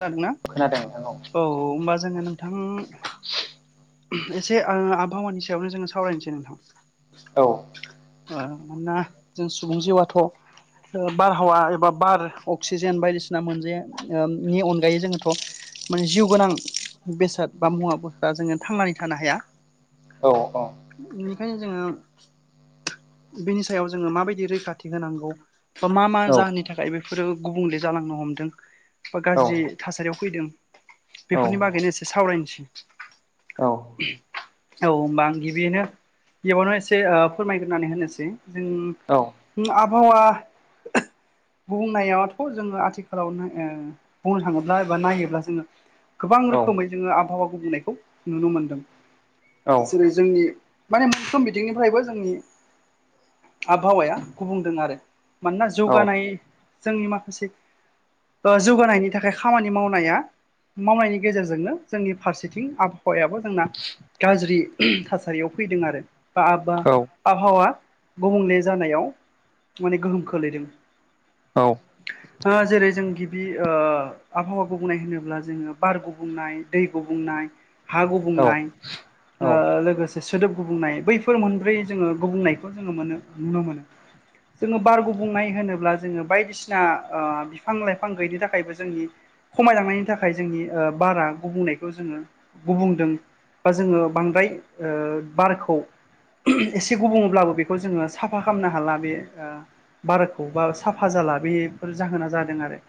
खोनादोंना खोनादों नोंथां औ होनोमबा जोङो नोंथां एसे ओ आबहावानि सायावनो जोङो सावरायनोसै नोंथां औ ओ मानोना जों सुबुं जिउआथ' ओ बारहावा एबा बार अक्सिजेन बायदिसिना मोनजाया ओ नि अनगायै जोङोथ' माने जिउ गोनां बेसाद बा मुवास्रा जोङो थांनानै थानो हाया औ औ बेनिखायनो जोङो बेनि सायाव जोङो माबायदि रैखाथि होनांगौ बा मा मा औ जाहोननि थाखाय बेफोरो गुबुंले जालांनो हमदों। बा औ गाज्रि थासारियाव फैदों औ बेफोरनि बागैनो एसे सावरायनोसै। औ औ होनबा गिबिनो बेयावनो एसे फोरमायग्रोनानै होनोसै जों औ औ आबहावा बुंनायावाथ' जोङो आथिखालाव बुंनो थाङोब्ला एबा नायोब्ला जोङो गोबां रोखोमै जोङो आबहावा गुबुंनायखौ नुनो मोनदों। जेरै औ जोंनि माने मोनफ्रोम बिथिंनिफ्रायबो जोंनि आबहावाया गुबुंदों आरो मानोना औ जौगानाय जोंनि माखासे ओ जौगानायनि थाखाय खामानि मावनाया मावनायनि गेजेरजोंनो जोंनि फारसेथिं आबहावायाबो जोंना गाज्रि थासारियाव फैदों आरो बा बा आबहावा गुबुंले जानायाव माने गोहोम खोलैदों। औ ओ जेरै जों बे ओ आबहावा गुबुंनाय होनोब्ला जोङो बार गुबुंनाय दै गुबुंनाय हा गुबुंनाय ओ लोगोसे सोदोब गुबनाय बैफोर मोनब्रै जोङो गुबुंनायखौ जोङो मोनो नुनो मोनो। जोङो बार गुब बुंनाय होनोब्ला जोङो बायदिसिना ओ बिफां लाइफां फां गैयनि थाखायबो जोंनि खमायलांनायनि थाखाय जोंनि बारा गुबुंनायखौ जोङो गुबुदों। बा जोङो बांद्राय ओ बारखौ एसे गुबुङोलाबो बेखौ जोङो साफा खालामनो हाला बे ओ बाराखौ बा साफा जाला बेफोर जाहोना जादों आरो।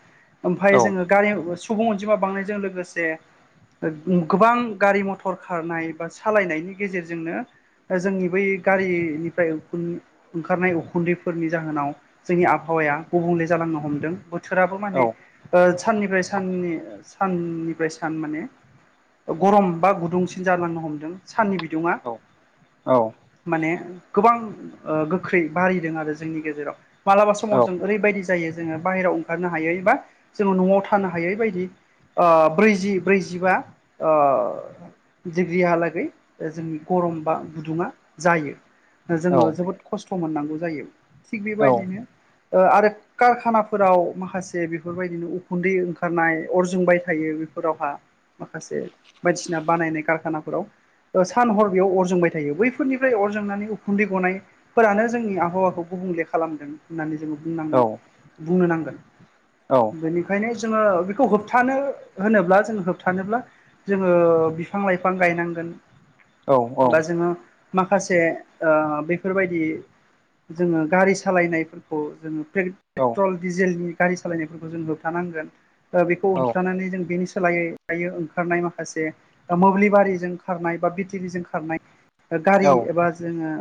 ओमफाय जोङो गारि सुबुं अनजिमा बांनायजों लोगोसे गोबां गारि मथर खारनाय बा सालायनायनि गेजेरजोंनो ओ जोंनि बै गारिनिफ्राय उखुन्द ओंखारनाय उखुन्दैफोरनि जाहोनाव जोंनि आबहावाया गुबुंले जालांनो हमदों। बोथोरा माने ओ साननिफ्राय साननि साननिफ्राय सान माने गरम बा गुदुंसिन जालांनो हमदों साननि बिदुङा औ। माने गोबां ओ गोख्रै बारिदों आरो जोंनि गेजेराव। मालाबा समाव जों ओरैबायदि जायो जोङो बाहेरायाव ओंखारनो हायै बा जोङो न'आव थानो हायै बायदि ओ ब्रैजि ब्रैजिबा ओ दिग्रिहालागै ओ जोंनि गरम बा गुदुङा जायो। जोङो जोबोद खस्थ' मोननांगौ जायो। थिग बेबायदिनो ओ आरो कारखानाफोराव माखासे बेफोरबायदिनो उखुन्दै ओंखारनाय अर जोंबाय थायो बेफोरावहा माखासे बायदिसिना बानायनाय कारखानाफोराव ओ सान हर बेयाव अर जोंबाय थायो बैफोरनिफ्राय अर जोंनानै उखुन्दै गनाय फोरानो जोंनि आबहावाखौ गुबुंले खालामदों होननानै जोङो बुंनांगोन बुंनो नांगोन। बेनिखायनो जोङो बेखौ होबथानो होनोब्ला जों होबथानोब्ला जोङो बिफां लाइफां गायनांगोन बा जोङो माखासे ओ बेफोरबायदि जोङो गारि सालायनायफोरखौ जोङो पेट्रल डिजेलनि गारि सालायनायफोरखौ जों होबथानांगोन‌। ओ बेखौ होबथानानै जों बेनि सोलायै दायो ओंखारनाय माखासे मोब्लिबारिजों खारनाय बा भटिलिजों खारनाय गारि एबा जोङो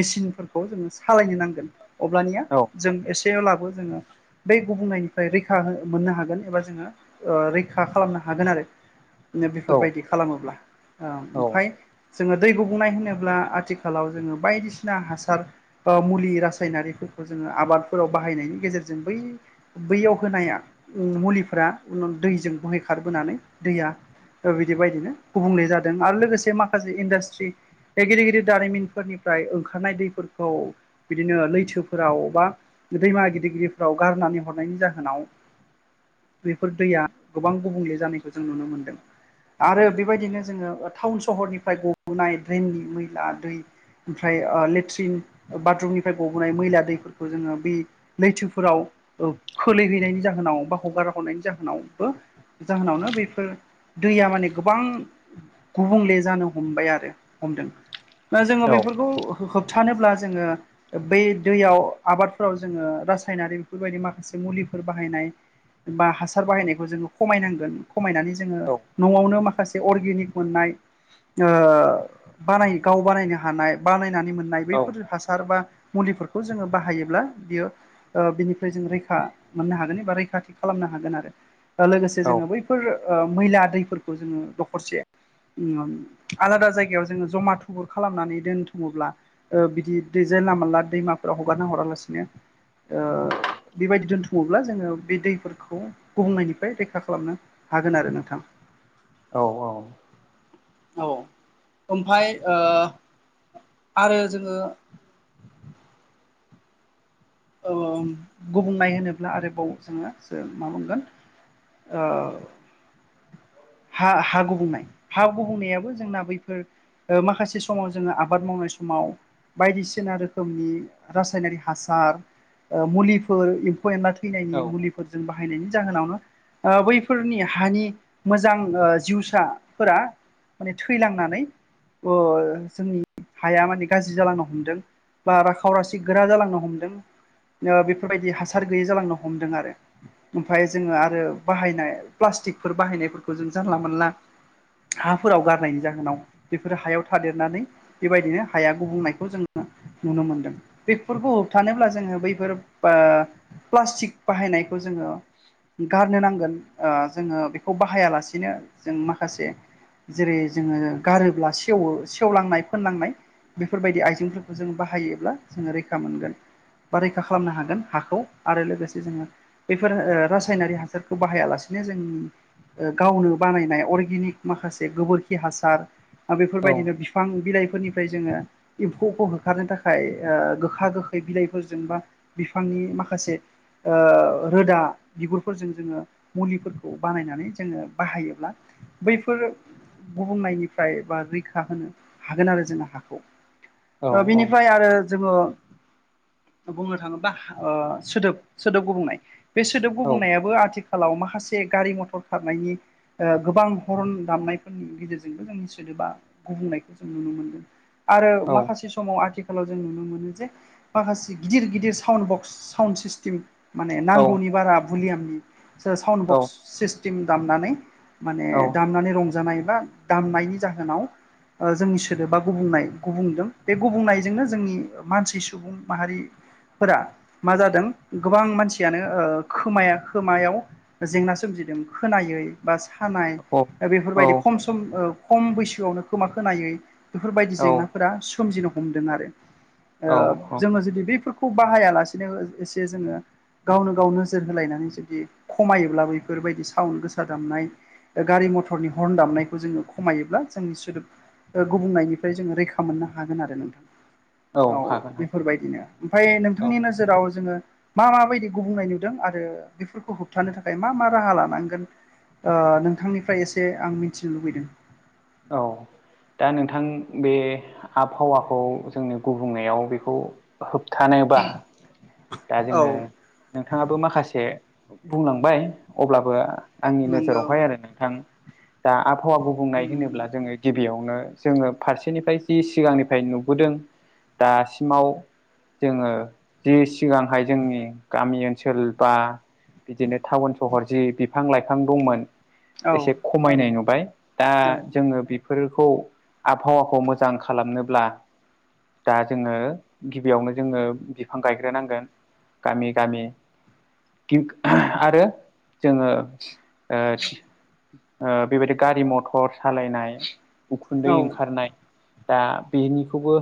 मेसिनफोरखौ जोङो सालायनो नांगोन। अब्लानिया जों एसे लाबो जोङो बे गुबुंनायनिफ्राय रैखा मोननो हागोन एबा जोङो ओ रैखा खालामनो हागोन आरो। बेफोरबायदि खालामोब्ला ओमफाय जोङो दै गुबुुंनाय होनोब्ला आथिखालाव जोङो बायदिसिना हासार मुलि रासायनारिफोरखौ जोङो आबादफोराव बाहायनायनि गेजेरजों बै बैयाव होनाय मुलिफोरा दैजों बोहैखारबोनानै दैया बिदि बायदिनो गुबुंल जादों आरो लोगोसे माखासे इन्डास्ट्रि बे गिदिर गिदिर दारिमिनफोरनिफ्राय ओंखारनाय दैफोरखौ बिदिनो लैथोफोराव बा दैमा गिदिर गिदफोराव गारनानै हरनायनि जाहोनाव बेफोर दैया गोबां गुबुंले जानायखौ जों नुनो मोनदों आरो बेबायदिनो जोङो टाउन सहरनिफ्राय गबोनाय ड्रेननि मैला दै ओमफ्राय लेट्रिन बाथरुमनिफ्राय गबोनाय मैला दैफोरखौ जोङो बे लैथोफोराव खोलैहैनायनि जाहोनाव बा हगार हरनायनि जाहोनावबो जाहोनावनो बेफोर दैया माने गोबां गुबुंले जानो हमबाय आरो हमदों दा जोङो बेफोरखौ होबथानोब्ला जोङो बै दैयाव आबादफोराव जोङो रासायनारि बेफोरबायदि माखासे मुलिफोर बाहायनाय। बा हासार बाहायनायखौ जोङो खमायनांगोन। खमायनानै जोङो न'आवनो माखासे अर्गेनिक मोननाय ओ बानाय गाव बानायनो हानाय बानायनानै मोननाय बैफोर हासार बा मुलिफोरखौ जोङो बाहायोब्ला बियो ओ बिनि रैखा मोननो हागोन एबा रैखाथि खालामनो हागोन आरो दा लोगोसे जोङो बै बेफोर मैला दैफोरखौ जोङो दखरसे आलादा जायगायाव जोङो जमा थुबुर खालामनानै दोनथुमोब्ला बिदि दै जायला मला दैमाफोराव हगारना हरालासिनो बेबायदि दोन्थुमोब्ला जोङो बे दैफोरखौ गुबुहुंनायनिफ्राय रैखा खालामनो हागोन आरो नोंथां औ औ औ ओमफफ्राय आरो जोङो गुबुंनाय होनोब्ला आरोबाव जोङो मा बुंगोन [unintelligible] हा हा गुबुंनाय हा गुबुंनायाबो जोंना बैफोर माखासे समाव जोङो आबाद मावनाय समाव बायदिसिना रोखोमनि रासायनारि हासार मुलिफोर एम्फौ एनला थैनायनि मुलिफोरजों बाहायनायनि जाहोनावनो बैफोरनि हानि मोजां जिउसाफोरा माने थैलांनानै जोंनि हाया माने गाज्रि जालांनो हमदों बा राखावरासि गोरा जालांनो हमदों बेफोरबायदि हासार गैयै जालांनो हमदों आरो ओमफफ्राय जोङो आरो बाहायनाय प्लास्टिकफोर बाहायनायफोरखौ जों जानला मोनला हाफोराव गारनायनि जाहोनाव बेफोर हायाव थादेरनानै बेबायदिनो हाया गुबुंनायखौ जोंङ नुनो मोनदों बेफोरखौ होबथानोब्ला जोङो बैफोर प्लास्टिक बाहायनायखौ जोङो गारनो नांगोन जोङो बेखौ बाहायालासिनो जों माखासे जेरै जोङो गारोब्ला सेवो सेवलांनाय फोनलांनाय बेफोरबायदि आइजेंफोरखौ जों बाहायोब्ला जोङो रैखा मोनगोन बा रैखा खालामनो हागोन हाखौ आरो लोगोसे जोङो बेफोर रासायनारि हासारखौ बाहायालासेनो जोंनि गावनो बानायनाय अर्गेनिक माखासे गोबोरखि हासार बेफोरबायदिनो बिफां बिलाइफोरनि फ्राय जोङो एम्फौखौ होखारनो थाखाय गोखा गोखै बिलाइ फोरजों बा बिफांनि माखासे रोदा बिगुरफोरजों जोङो मुलिफोरखौ बानायनानै जोङो बाहायोब्ला बैफोर गुबुंनायनिफ्राय बा रैखा होनो हागोन आरो जोंङो हाखौ। ओ बिनिफाय आरो जोङो बुंनो थाङोबा ओ सोदोब सोदोब गुबुंनाय बे सोदोब गुबुंनायाबो आथि खालाव माखासे गारि मथ'र खारनायनि ओ गोबां हरन दामनायफोरनि गेजेरजोंबो जोंनि सोदोबा गुबुंनायखौ जों नुनो मोनगोन, आरो माखासे समाव आथिखालाव जों नुनो मोनो जे माखासे गिदिर गिदिर साउन्ड बक्स साउन्ड सिस्टेम माने नांगौनि बारा भलियामनि साउन्ड बक्स सिस्टेम दामनानै माने दामनानै रंजानाय बा दामनायनि जाहोनाव जोंनि सोदोबा गुबनाय गुबुंदों बे गुबुंनायजोंनो जोंनि मानसि सुबुं माहारिफोरा मा जादों गोबां मानसियानो खोमाया खोमायाव जेंना सोमजिदों खोनायै बा सानाय बेफोरबायदि खम सम खम बैसोआवनो खोमा खोनायै बेफोरबायदि जेंनाफोरा सोमजिनो हमदों आरो औ औ जोङो जुदि बेैफोरखौ बाहाया लासेनो एसे जोङो गावनो गाव नोजोर होलायनानै जुदि खमायोब्ला बेफोरबायदि साउन्ड गोसा दामनाय। गारि मटरनि हरन दामनायखौ जोङो खमायोब्ला जोंनि सोदोब ओ गुबुंनायनिफ्राय जोङो रैखा मोननो हागोन आरो नोंथां। औ हागोन। हागोन बेफोरबायदिनो ओमफाय नोंथांनि औ नोजोराव जोङो मा मा बायदि गुबनाय नुदों आरो बेफोरखौ होबथानो थाखाय मा मा राहा लानांगोन ओ नोंथांनिफ्राय एसे आं मिथिनो लुबैदों। औ। दा नोंथां बे आबहावाखौ जोंनो गुबुंनायाव बेखौ होबथानोबा दा जोङो औ नोंथाङाबो माखासे बुंलांबाय, अब्लाबो आंनि नंगौ नोजोरावहाय आरो नोंथां, दा आबहावा गुबुं होनोब्ला उम जोङो गिबियावनो जोङो फारसेनिफ्राय जि सिगांनिफ्राय नुबोदों दासिमाव जोङो जि सिगांहाय जोंनि गामि ओनसोल बा बिदिनो टाउन सहर जि बिफां लाइफां दंमोन औ एसे खमायनाय नुबाय। दा औ जोङो बेफोरखौ आबहावाखौ मोजां खालामनोब्ला दा जोङो गिबियावनो जोङो बिफां गायग्रोनांगोन। गामि गामि गि आह आरो जोङो ओ ओ बेबायदि गारि मथ'र सालायनाय उखुन्दै औ ओंखारनाय दा बेनिखौबो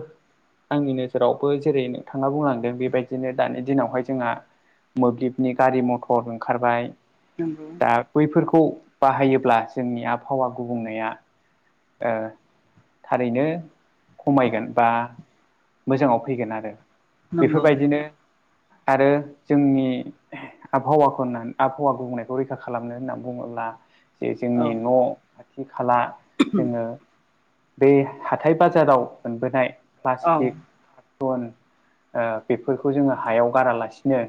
आंनि नोजोरावबो जेरै नोंथाङा बुंलांदों बेबायदिनो दानि दिनावहाय जोंहा मोब्लिबनि गारि मथ'र ओंखारबाय। नोंगौ। आ बैफोरखौ बाहायोब्ला जोंनि आबहावा गुबुंनाया ओ थारैनो खमायगोन बा मोजाङाव फैगोन आरो। नंगौ बेफोरबायदिनो आरो जोंनि आबहावाखौ होननानै आबहावा बुंनायखौ रैखा खालामनो होननानै बुङोब्ला जे जोंनि औ न' खाथि खाला जोङो बे हाथाय बाजाराव मोनबोनाय औ प्लास्टिक बेफोरखौ ओ बेफोरखौ जोङो हायाव गारालासिनो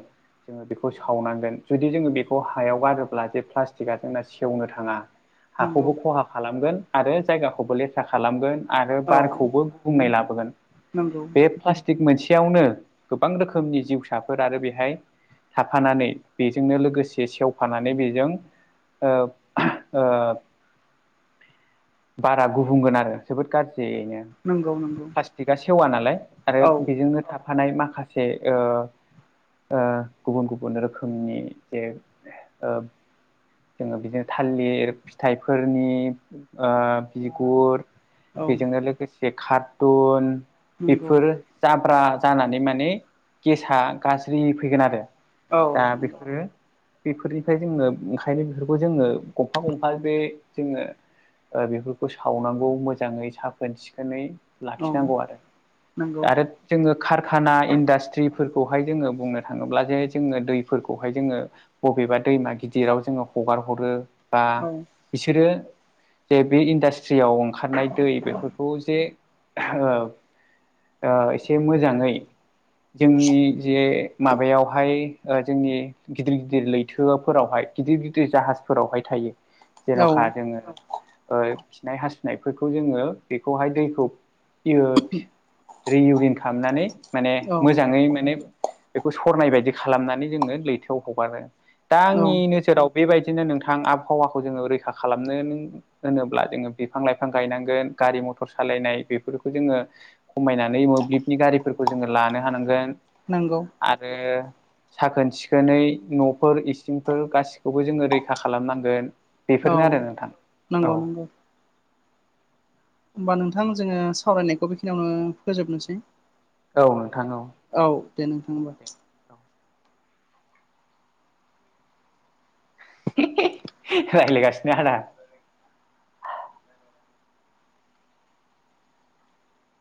जोङो बेखौ सावनांगोन, जुदि जोङो बेखौ हायाव गारोब्ला जे प्लास्टिकआ जोंना सेवनो थाङा। हाखौबो नंगौ खहा खालामगोन आरो जायगाखौबो लेथ्रा खालामगोन। आरो औ बारखौबो गुबुंनाय लाबोगोन। नंगौ बे प्लास्टि थिग मोनसेयावनो गोबां रोखोमनि जिउसाफोर आरो बेहाय थाफानानै बेजोंनो लोगोसे सेवफानानै बेजों ओब ओब बारा गुबुंगोन आरो। जोबोद गाज्रियैनो नंगौ नंगौ प्लास्टिकआ सेवा नालाय आरो औ बेजोंनो था थानाय माखासे ओ ‌ ओ गुबुन गुबुन रोखोमनि जे ओ जोङो बिदिनो थालिर फिथाइफोरनि ओ बिगुर औ बेजोंनो लोगोसे कारटुन नंगौ बेफोर। जाब्रा जानानै माने गेसा गाज्रि फैगोन आरो। औ दा नंगौ बेफोरो बेफोरनिफ्राय जोंनो ओम ओंखायनो बेफोरखौ जोङो गंफा गंफा बे जोङो ओ बेफोरखौ सावनांगौ मोजाङै साखोन सिखोनै औ लाखिनांगौ आरो नंगौ आरो। आरो जोङो कारखाना इन्डास्ट्रिफोरखौहाय जोङो बुंनो थाङोब्ला जे जोङो दैफोरखौहाय जोङो बबेबा दैमा गिदिराव जोङो हगार हरो बा औ बिसोरो जे बे इनदास थ्रियाव ओंखारनाय दै बेफोरखौ जे ओहब ओ एसे मोजाङै जोंनि जे माबायावहाय ओ जोंनि गिदिर गिदिर लैथोफोरावहाय गिदिर गिदिर जाहाजफोरावहाय थायो औ जेन'खा जोङो ओ खिनाय हासुनायफोरखौ जोङो बेखौहाय दैखौ [unintelligible] रि इउरिन खालामनानै माने औ मोजाङै माने बेखौ सरनाय बायदि खालामनानै जोङो लैथोआव हगारो दा आंनिनो बोसोराव बेबायदिनो नोंथां आबहावाखौ जोङो रैखा खालामनो होनोब्ला जोङो बिफां लाइफां गायनांगोन गारि मथर सालायनाय बेफोरखौ जोङो खमायनानै मोब्लिबनि गारिफोरखौ जोङो लानो हानांगोन। नंगौ आरो साखोन सिखोनै न'फोर इसिंफोर गासि खौबो जोङो रैखा खालामनांगोन औ बेफोरनो आरो नोंथां नंगौ औ। नंगौ होमबा नोंथां जोङो सावरायनायखौ बेखिनियावनो फोजोबनोसै? औ नोंथां औ औ दे नोंथां होनबा। [unintelligible]